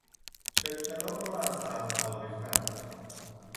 چلچراغ را از سقف آویختن